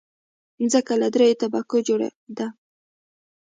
مځکه له دریو طبقو جوړه ده.